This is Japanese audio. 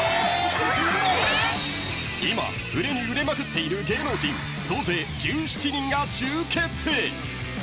［今売れに売れまくっている芸能人総勢１７人が集結！］